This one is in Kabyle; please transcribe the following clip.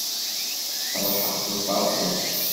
Ferḥeɣ s lferḥ-ik.